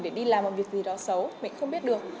để đi làm một việc gì đó xấu mình không biết được